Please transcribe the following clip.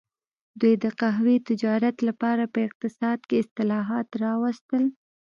دوی د قهوې تجارت لپاره په اقتصاد کې اصلاحات راوستل.